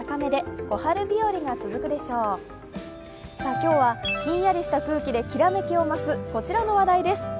今日はひんやりした空気できらめきを増すこちらの話題です。